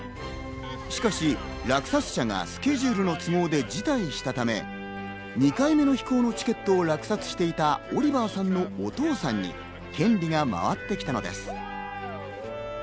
しかし落札者がスケジュールの都合で辞退したため、２回目の飛行のチケットを落札していたオリバーさんのお父さんに権利が回ってきたのです。